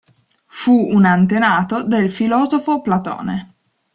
Fu un antenato del filosofo Platone.